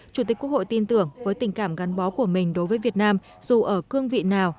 chủ tịch quốc hội tin tưởng với tình cảm gắn bó của mình đối với việt nam dù ở cương vị nào